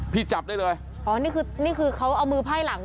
จับได้เลยอ๋อนี่คือนี่คือเขาเอามือไพ่หลัง